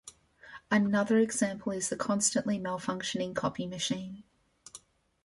Another example is the constantly malfunctioning copy machine.